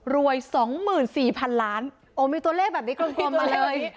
รวยสองหมื่นสี่พันล้านโอ้มีตัวเลขแบบนี้กลมมาเลย